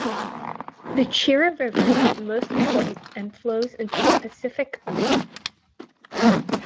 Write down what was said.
The Chira River is the most important and flows into the Pacific Ocean.